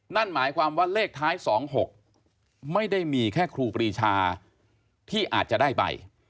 นั่นหมายความว่าเลขท้าย๒๖ไม่ได้มีแค่ครูปรีชาที่อาจจะได้ไป